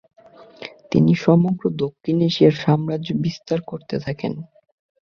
তিনি সমগ্র দক্ষিণ এশিয়ায় সাম্রাজ্য বিস্তার করতে থাকেন।